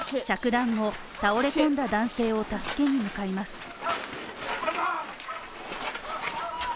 着弾後、倒れ込んだ男性を助けに向かいます。